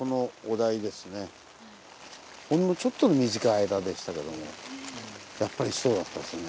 ほんのちょっとの短い間でしたけどもやっぱり首都だったですね。